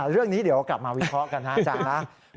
เรื่องนี้เดี๋ยวกลับมาวิเคราะห์กันนะอาจารย์นะ